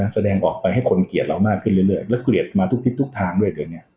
แสดงออกไปให้คนเกลียดเรามากขึ้นเรื่อยแล้วเกลียดมาทุกทิศทุกทางด้วยตัวเอง